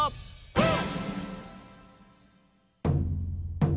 うん！